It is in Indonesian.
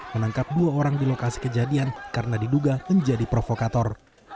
menangkap dua orang di lokasi kejadian karena diduga menjadi provokator